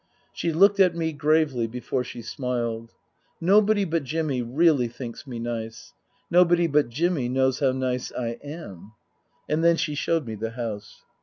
She looked at me gravely before she smiled. " Nobody but Jimmy really thinks me nice. Nobody but Jimmy knows how nice I am." And then she showed me the house.